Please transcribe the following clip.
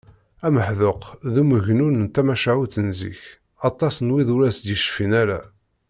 Ameḥduq d umegnun d tamacahut n zik, aṭas n wid ur as-d-yecfin ara